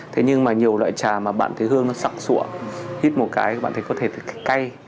thế nhưng mà nhiều loại trà mà bạn thấy hương nó sắc sụa hít một cái bạn thấy có thể cay